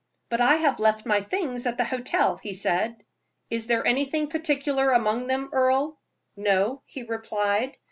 "But I have left my things at the hotel," he said. "Is there anything particular among them, Earle?" "No," he replied.